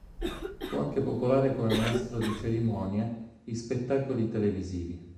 Fu anche popolare come maestro di cerimonie in spettacoli televisivi.